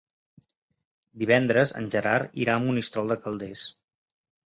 Divendres en Gerard irà a Monistrol de Calders.